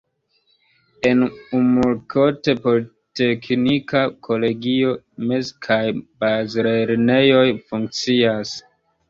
En Umerkot politeknika kolegio, mez- kaj bazlernejoj funkcias.